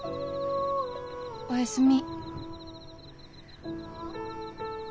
おやすみ。